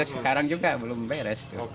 sekarang juga belum beres